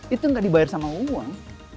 itu nggak dibayar sama uang